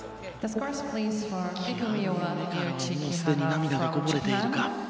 すでに涙がこぼれているか。